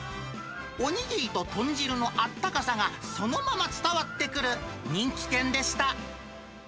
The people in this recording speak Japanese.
お握りと豚汁のあったかさがそのまま伝わってくる人気店でした。